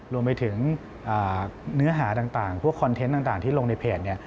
รวมไปถึงเนื้อหาต่างพวกคอนเทนต์ต่างที่ลงในเพจเนี่ย